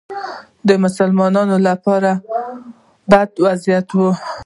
د مسلمانانو لپاره بد وضعیت و